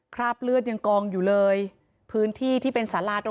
คราบเลือดยังกองอยู่เลยพื้นที่ที่เป็นสาราตรง